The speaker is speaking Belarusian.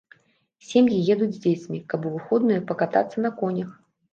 Сем'і едуць з дзецьмі, каб у выходныя пакатацца на конях.